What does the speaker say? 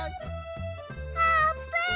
あーぷん！